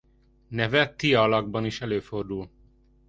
Neve Thia alakban is előfordul.